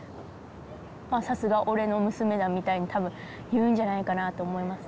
さすが俺の娘だみたいに多分言うんじゃないかなと思いますね。